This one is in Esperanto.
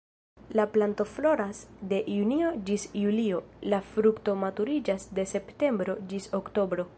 La planto floras de junio ĝis julio, la fruktoj maturiĝas de septembro ĝis oktobro.